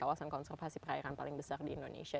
kawasan konservasi perairan paling besar di indonesia